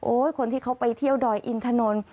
คนที่เขาไปเที่ยวดอยอินถนน